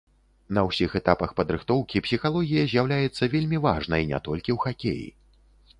На ўсіх этапах падрыхтоўкі псіхалогія з'яўляецца вельмі важнай не толькі ў хакеі.